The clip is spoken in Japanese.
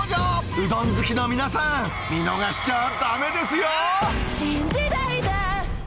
うどん好きの皆さん、見逃しちゃだめですよ。